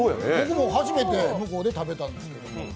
僕も初めて向こうで食べたんですけど。